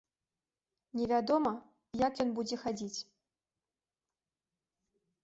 Невядома, як ён будзе хадзіць.